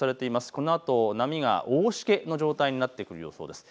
このあと波が大しけの状態になってくる予想です。